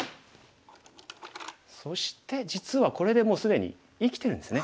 そして実はこれでもう既に生きてるんですね。